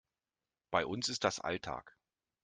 Bei uns ist das Alltag.